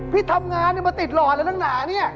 พี่ทำงานมาติดหลอนแล้วหนักหนานี่